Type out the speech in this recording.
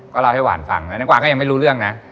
ก็เล่าให้หวานฟังนะน้ำหวานก็ยังไม่รู้เรื่องนะ